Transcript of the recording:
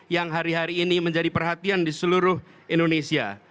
yang hari hari ini menjadi perhatian di seluruh indonesia